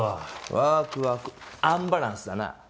ワークワークアンバランスだな。